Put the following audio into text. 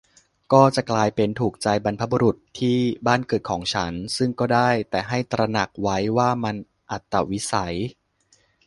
ก็จะกลายเป็น "ถูกใจบรรพบุรุษที่บ้านเกิดของฉัน" ซึ่งก็ได้ แต่ให้ตระหนักไว้ว่ามันอัตวิสัย